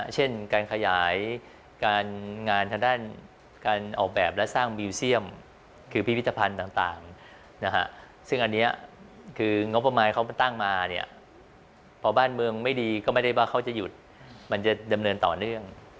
เช่นการขยายการงานทางด้านการออกแบบและสร้างบิวเซียมคือพิพิธภัณฑ์ต่างซึ่งอันนี้คืองบประมาณเขาตั้งมาเนี่ยพอบ้านเมืองไม่ดีก็ไม่ได้ว่าเขาจะหยุดมันจะดำเนินต่อเนื่อง